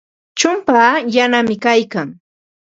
Chumpaa yanami kaykan.